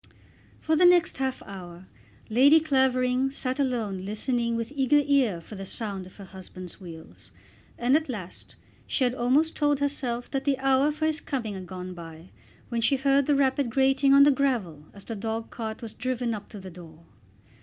For the next half hour Lady Clavering sat alone listening with eager ear for the sound of her husband's wheels, and at last she had almost told herself that the hour for his coming had gone by, when she heard the rapid grating on the gravel as the dog cart was driven up to the door.